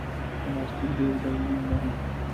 پلاستيک ډېر ډولونه لري.